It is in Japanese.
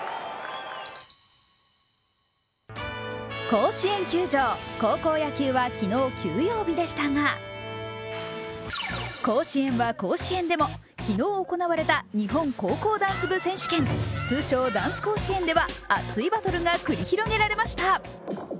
甲子園球場、高校野球は昨日、休養日でしたが、甲子園は甲子園でも昨日行われた日本高校ダンス部選手権、通称ダンス甲子園では熱いバトルが繰り広げられました。